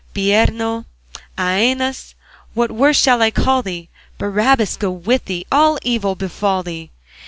Bireno, Æneas, what worse shall I call thee? Barabbas go with thee! All evil befall thee!